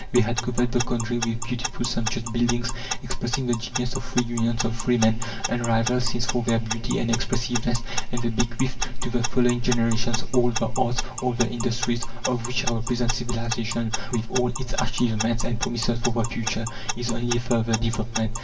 They had covered the country with beautiful sumptuous buildings, expressing the genius of free unions of free men, unrivalled since for their beauty and expressiveness; and they bequeathed to the following generations all the arts, all the industries, of which our present civilization, with all its achievements and promises for the future, is only a further development.